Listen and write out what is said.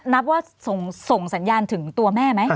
นับว่าส่งสัญญาณถึงตัวแม่ไหม